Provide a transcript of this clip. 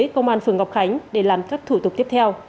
công an phường ngọc khánh để làm các thủ tục tiếp theo